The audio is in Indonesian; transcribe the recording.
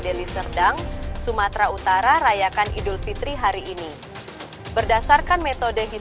deliserdang sumatera utara rayakan idul fitri hari ini berdasarkan metode hisil